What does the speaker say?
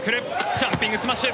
ジャンピングスマッシュ。